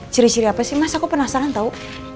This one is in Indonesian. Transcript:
ciri ciri apa sih mas aku penasaran tau